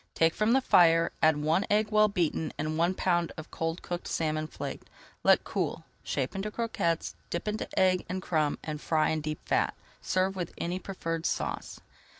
Take from the fire, add one egg well beaten, and one pound of cold cooked salmon flaked. Let cool, shape into croquettes, [Page 294] dip into egg and crumbs, and fry in deep fat. Serve with any preferred sauce.